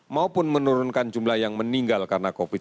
maupun menurunkan jumlah yang meninggal karena covid sembilan belas